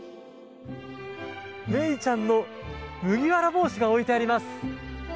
メイちゃんの麦わら帽子が置いてあります！